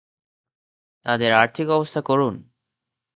তাদের আর্থিক অবস্থা করুণ।